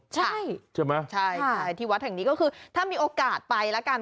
ใช่ใช่ไหมใช่ที่วัดแห่งนี้ก็คือถ้ามีโอกาสไปแล้วกัน